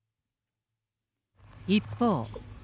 一方。